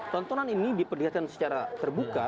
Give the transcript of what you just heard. tontonan ini diperlihatkan secara terbuka